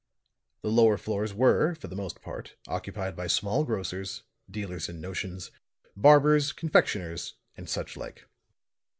The lower floors were, for the most part, occupied by small grocers, dealers in notions, barbers, confectioners and such like.